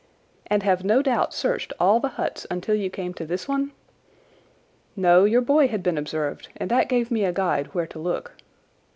"And have no doubt searched all the huts until you came to this one?" "No, your boy had been observed, and that gave me a guide where to look."